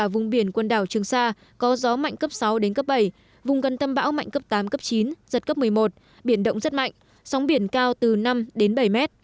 vùng biển quần đảo trường sa có gió mạnh cấp sáu đến cấp bảy vùng gần tâm bão mạnh cấp tám cấp chín giật cấp một mươi một biển động rất mạnh sóng biển cao từ năm đến bảy mét